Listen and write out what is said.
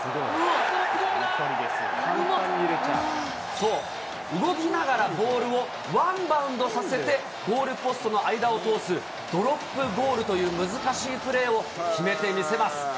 そう、動きながらボールをワンバウンドさせて、ゴールポストの間を通すドロップゴールという難しいプレーを決めてみせます。